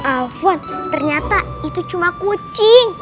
alfon ternyata itu cuma kucing